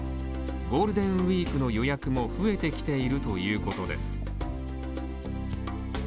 ゴールデンウイークの予約も増えてきているということです。